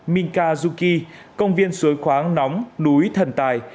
minkazuki công viên suối khoáng nóng núi thần tài